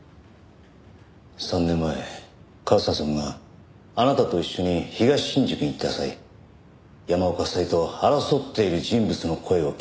３年前和沙さんがあなたと一緒に東新宿に行った際山岡夫妻と争っている人物の声を聞いたと話しています。